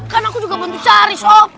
kan aku juga bantu cari sob